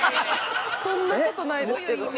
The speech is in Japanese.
◆そんなことないですけど。